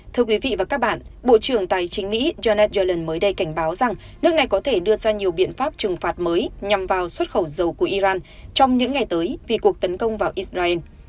thưa quý vị và các bạn bộ trưởng tài chính mỹ jonan mới đây cảnh báo rằng nước này có thể đưa ra nhiều biện pháp trừng phạt mới nhằm vào xuất khẩu dầu của iran trong những ngày tới vì cuộc tấn công vào israel